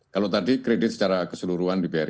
kalau tadi kredit secara keseluruhan di bri